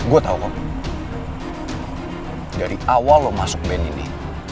gue tau om dari awal lo masuk band ini